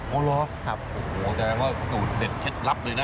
โอ้โหรอครับครับโอ้โหแปลว่าสูตรเด็ดเคล็ดลับเลยนะ